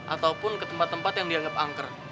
ataupun ke tempat tempat yang dianggap angker